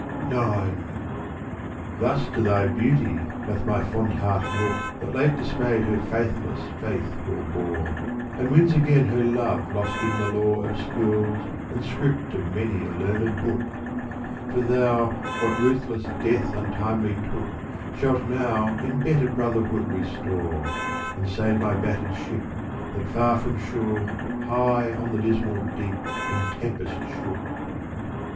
IX Thus to thy beauty doth my fond heart look That late dismayed her faithless faith forebore And wins again her love lost in the lore Of schools and script of many a learned book : For thou what ruthless death untimely took Shalt now in better brotherhood restore And save my battered ship that far from shore High on the dismal deep in tempest shook.